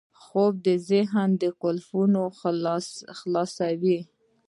خوب د ذهن قفلونه خلاصوي